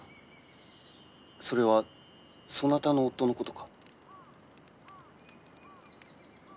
それはそなたの夫のことか？